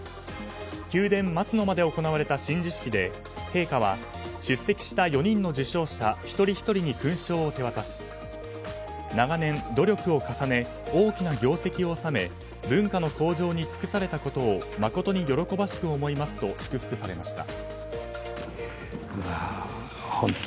宮殿松の間で行われた親授式で陛下は出席した４人の受章者一人ひとりに勲章を手渡し長年努力を重ね大きな業績を収め文化の向上に尽くされたことを誠に喜ばしく思いますと祝福されました。